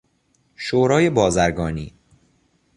شورای بازرگانی